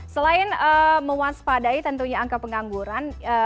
selain mewaspadai tentunya angka pengangguran